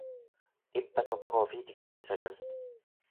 dhibba tokkoo fi digdamii sagal